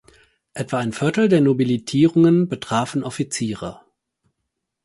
Etwa ein Viertel der Nobilitierungen betrafen Offiziere.